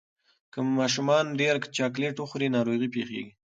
که ماشومان ډیر چاکلېټ وخوري، ناروغي پېښېږي.